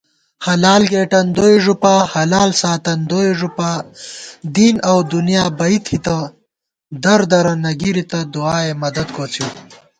حلال گېٹن دوئی ݫُپا حلال ساتن دوئی ݫُپا * دین اؤ دُنیا بئ تھِتہ دردرہ نہ گِرِتہ دُعائے مدد کوڅِؤ